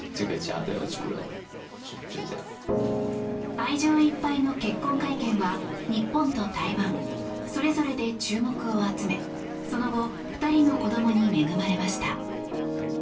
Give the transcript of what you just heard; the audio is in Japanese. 愛情いっぱいの結婚会見は日本と台湾それぞれで注目を集めその後２人の子どもに恵まれました。